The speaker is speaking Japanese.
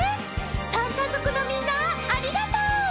３かぞくのみんなありがとう！